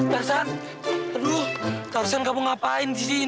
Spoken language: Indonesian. tarzan aduh tarzan kamu ngapain disini